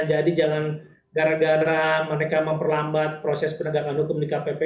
jadi jangan gara gara mereka memperlambat proses penegakan hukum